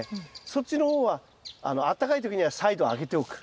そっちの方はあったかい時にはサイドを開けておく。